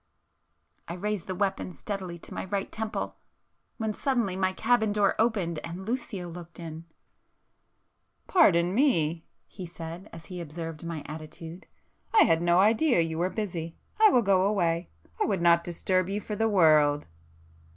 I raised the weapon steadily to my right temple, ... when suddenly my cabin door opened, and Lucio looked in. [p 456]"Pardon me!" he said, as he observed my attitude—"I had no idea you were busy! I will go away. I would not disturb you for the world!"